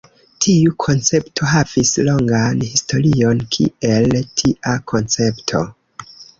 Tiu koncepto havis longan historion kiel tia koncepto.